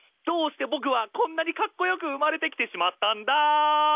どうして僕はこんなにカッコ良く生まれてきてしまったんだ。